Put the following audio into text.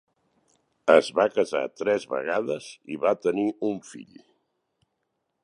Es va casar tres vegades i va tenir un fill.